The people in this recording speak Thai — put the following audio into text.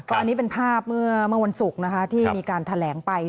อันนี้เป็นภาพเมื่อวันศุกร์นะคะที่มีการแถลงไป